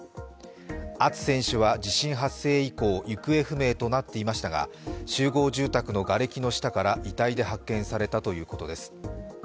アツ選手は地震発生以降行方不明となっていましたが集合住宅のがれきの下から遺体で発見されたということです。